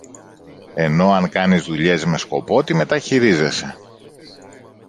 ενώ αν κάνεις δουλειές με σκοπό, τη μεταχειρίζεσαι.